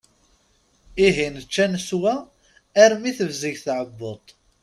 Ihi nečča neswa, armi tebzeg tɛebbuḍt.